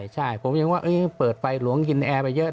ใช่ผมยังว่าเปิดไฟหลวงกินแอร์ไปเยอะ